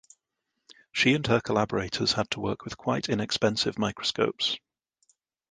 She and her collaborators had to work with quite inexpensive microscopes.